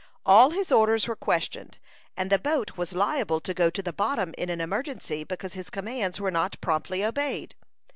All his orders were questioned, and the boat was liable to go to the bottom in an emergency, because his commands were not promptly obeyed.